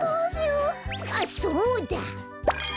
あっそうだ！